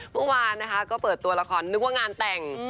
เมื่อวานนะคะก็เปิดตัวละครนึกว่างานแต่ง